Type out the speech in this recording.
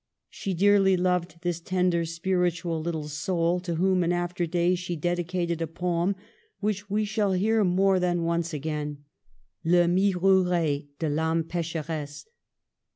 She dearly loved this tender, spiritual little soul, to whom in after days she dedicated a poem of which we shall hear more than once again: *' Le Myrouer de I'Ame Pecheresse."